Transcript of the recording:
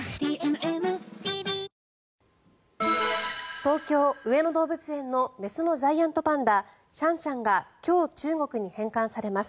東京・上野動物園の雌のジャイアントパンダシャンシャンが今日、中国に返還されます。